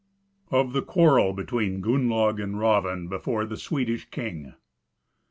Of the Quarrel between Gunnlaug and Raven before the Swedish King.